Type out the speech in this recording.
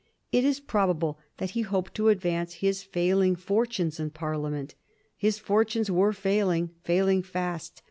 It is probable that he hoped to advance his failing fortunes in Parliament. His fortunes were failing, failing fast.